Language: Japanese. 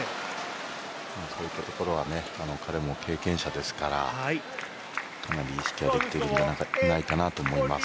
そういったところは彼も経験者ですからかなり意識はできているんじゃないかなと思います。